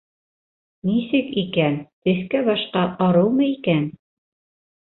Нисек икән, төҫкә-башҡа арыумы икән?